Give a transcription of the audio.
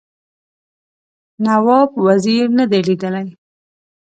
نواب وزیر نه دی لیدلی.